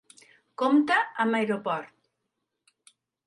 Compta amb aeroport.